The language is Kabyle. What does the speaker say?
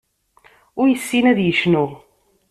Ur yessin ad yecnu.